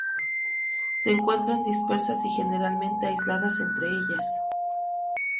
Se encuentran dispersas y generalmente aisladas entre ellas.